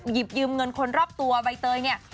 หยิบยืมเงินคนรอบตัวใบเตยเนี่ย